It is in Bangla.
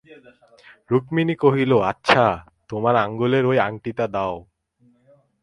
রুক্মিণী কহিল, আচ্ছা তোমার আঙুলের ওই আংটিটি দাও।